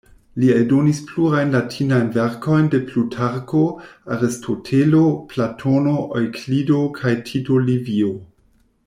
Li eldonis plurajn latinajn verkojn de Plutarko, Aristotelo, Platono, Eŭklido kaj Tito Livio.